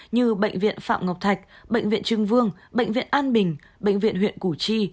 như bệnh viện phạm ngọc thạch bệnh viện trưng vương bệnh viện an bình bệnh viện huyện củ chi